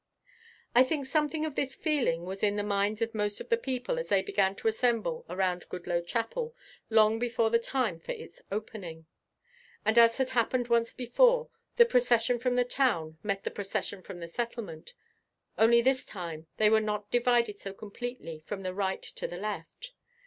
I think something of this feeling was in the minds of most of the people as they began to assemble around Goodloe Chapel long before the time for its opening. And as had happened once before, the procession from the Town met the procession from the Settlement, only this time they were not divided so completely from the right to the left.